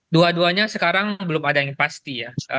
dua duanya sekarang belum ada yang pasti ya